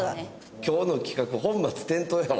今日の企画本末転倒やわ。